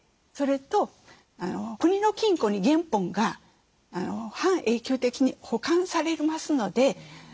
それと国の金庫に原本が半永久的に保管されますので。